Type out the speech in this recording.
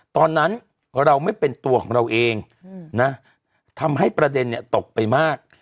ตอนนั้นเราไม่เป็นตัวของเราเองนะทำให้ประเด็นเนี่ยตกไปมาก